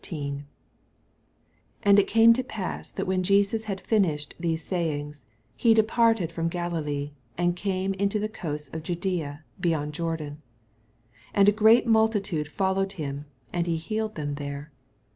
1 And it came to pass, iMt when Jesus bad finished these saylngSj he departed from Galilee, and came mto the coasts of Judsea beyond Jordan ; 2 And great multitudes followed him, and he healed them there.